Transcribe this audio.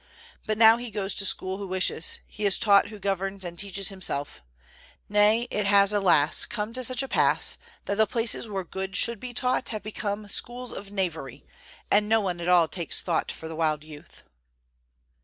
But now he goes to school who wishes; he is taught who governs and teaches himself; nay, it has, alas! come to such a pass that the places where good should be taught have become schools of knavery, and no one at all takes thought for the wild youth.